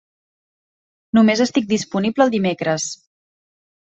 Només estic disponible el dimecres.